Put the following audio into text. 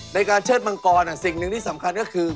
ในการเชิดมังกรสิ่งหนึ่งที่สำคัญก็คือ